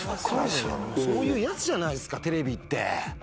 それはそうそういうやつじゃないっすかテレビって。